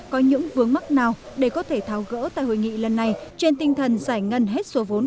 có những vướng mắc nào để có thể tháo gỡ tại hội nghị lần này trên tinh thần giải ngân hết số vốn